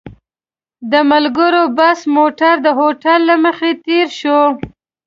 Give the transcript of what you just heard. د ملګرو بس موټر د هوټل له مخې تېر شو.